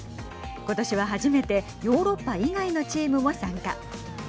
ことしは初めてヨーロッパ以外のチームも参加。